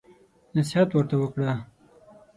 نصيحت ورته وکړه.